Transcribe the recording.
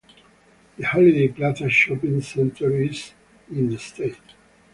The Holiday Plaza shopping centre is in the estate.